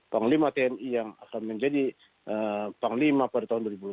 panglima tni yang akan menjadi panglima pada tahun dua ribu dua puluh